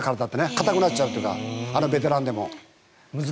硬くなっちゃうからベテランでも。